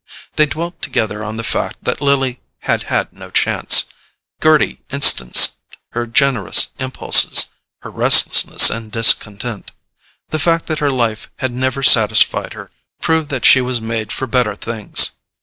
They dwelt together on the fact that Lily had had no chance. Gerty instanced her generous impulses—her restlessness and discontent. The fact that her life had never satisfied her proved that she was made for better things.